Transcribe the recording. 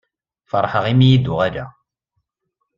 Feṛḥeɣ imi i d-uɣaleɣ.